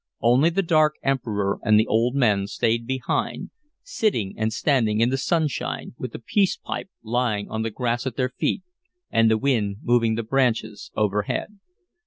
Only the dark Emperor and the old men stayed behind, sitting and standing in the sunshine, with the peace pipe lying on the grass at their feet, and the wind moving the branches overhead.